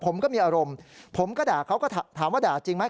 ผมก็มีอารมณ์ผมก็ด่าเขาก็ถามว่าด่าจริงไหม